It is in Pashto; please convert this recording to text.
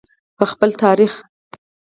په خپل تاریخ.